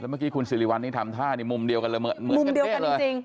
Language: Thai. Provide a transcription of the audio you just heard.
แล้วเมื่อกี้คุณสิริวัณนี่ทำท่านี่มุมเดียวกันเหมือนกันเทศเลยมุมเดียวกันจริง